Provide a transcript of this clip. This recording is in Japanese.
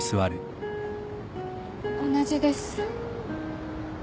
同じです。